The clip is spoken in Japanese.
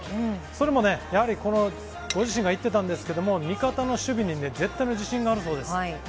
それもやはりこのご自身が言ってたんですけれども、味方の守備に絶対の自信があるそうです。